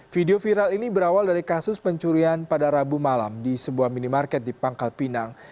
video viral ini berawal dari kasus pencurian pada rabu malam di sebuah minimarket di pangkal pinang